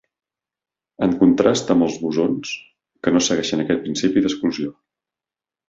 En contrast amb els bosons, que no segueixen aquest principi d'exclusió.